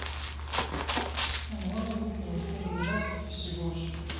Anwa ay yukren tilemlaf seg wusu?